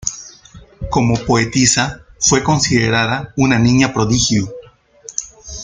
Como poetisa, fue considerada una niña prodigio.